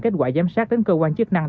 kết quả giám sát đến cơ quan chức năng